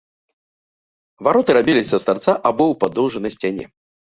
Вароты рабіліся з тарца або ў падоўжанай сцяне.